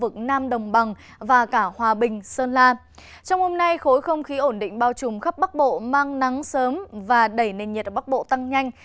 trong hôm nay khối không khí ổn định bao trùm khắp bắc bộ mang nắng sớm và đẩy nền nhiệt ở bắc bộ tăng nhanh